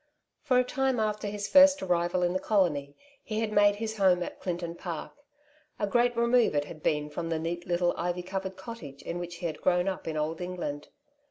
For a time after his first arrival in the colony, he had made his home at Clinton Park. A great remove it had been from the neat little ivy covered cottage in which he had grown up in Old England.